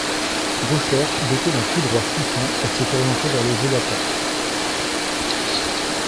Gauchère dotée d'un coup droit puissant, elle s'est orientée vers le jeu d'attaque.